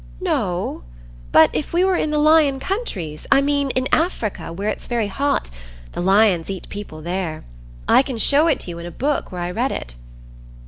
"No; but if we were in the lion countries—I mean in Africa, where it's very hot; the lions eat people there. I can show it you in the book where I read it."